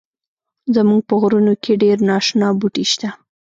زمونږ په غرونو کښی ډیر ناشنا بوټی شته